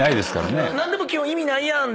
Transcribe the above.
何でも意味ないやん！